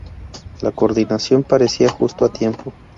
La coordinación parecía justo a tiempo.